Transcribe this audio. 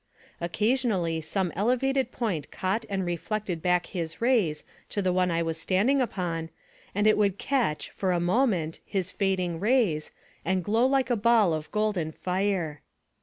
Occasionally some elevated point caught and reflected back his rays to the one I was standing upon, and it would catch, for a moment, his fading rays, and glow like a ball of golden fire.